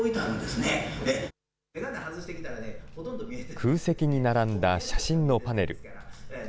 空席に並んだ写真のパネル。